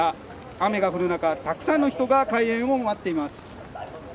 雨が降る中、たくさんの人が開園を待っています。